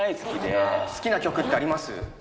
好きな曲ってあります？